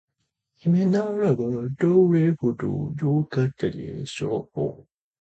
夢ならばどれほどよかったでしょう